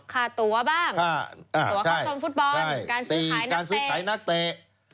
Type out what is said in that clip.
ฆ่าตัวบ้างตัวครอบชนฟุตบอลการซื้อขายนักเต